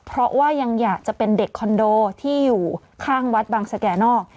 เพราะว่ายังอยากจะเป็นเด็กคอนโดที่อยู่ข้างวัดบางสแก่นอก